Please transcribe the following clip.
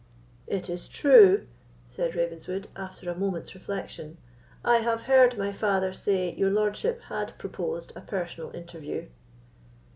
"It is true," said Ravenswood, after a moment's reflection, "I have heard my father say your lordship had proposed a personal interview."